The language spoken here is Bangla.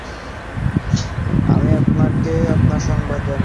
আমি তাকে আপনার সংবাদ জানিয়েছি।